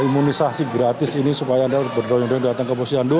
imunisasi gratis ini supaya anda berdoa yang datang ke posisi andu